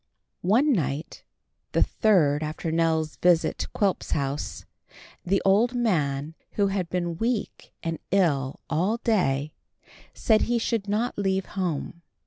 One night, the third after Nell's visit to Quilp's house, the old man, who had been weak and ill all day, said he should not leave home.